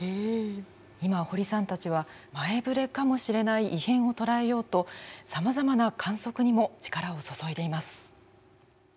今堀さんたちは前ぶれかもしれない異変を捉えようとさまざまな観測にも力を注いでいます。